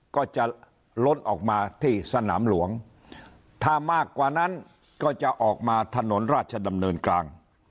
ก็จะล้นออกมาที่สนามหลวงถ้ามากกว่านั้นก็จะออกมาถนนราชดำเนินกลาง